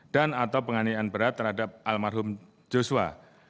dan atau penganian berat terhadap almarhum joshua